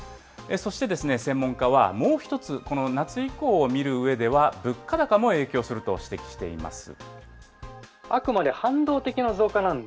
そして、専門家はもう一つ、この夏以降を見るうえで、物価高も影響すると指摘しています。